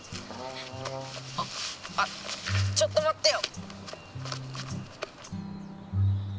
あっちょっとまってよ。